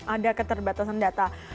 ada keterbatasan data